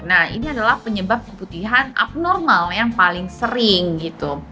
nah ini adalah penyebab kebutuhan abnormal yang paling sering gitu